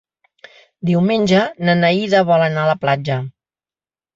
Diumenge na Neida vol anar a la platja.